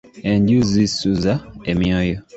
Enju zisuza emyoyo.